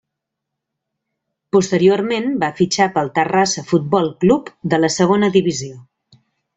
Posteriorment va fitxar pel Terrassa Futbol Club de la segona divisió.